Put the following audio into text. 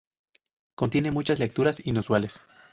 Contiene muchas lecturas inusuales.